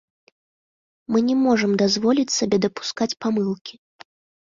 Мы не можам дазволіць сабе дапускаць памылкі.